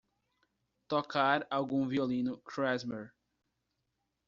Tocar algum violino klezmer